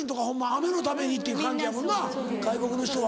雨のためにっていう感じやもんな外国の人は。